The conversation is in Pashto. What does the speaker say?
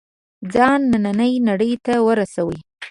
ځان نننۍ نړۍ ته ورسوي.